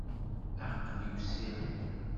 Aql-i usiɣ-d.